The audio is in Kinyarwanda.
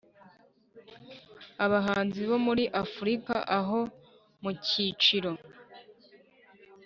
abahanzi bo muri Afurika, aho mu cyiciro